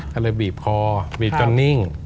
เขาเลยบีบคอบีบกับนิ่ง